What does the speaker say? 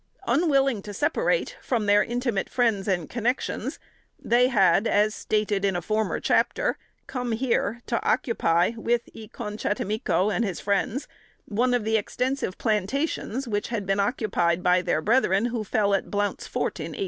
Unwilling to separate from their intimate friends and connexions, they had, as stated in a former chapter, come here to occupy, with E con chattimico and his friends, one of the extensive plantations which had been occupied by their brethren who fell at Blount's Fort, in 1816.